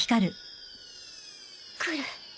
来る。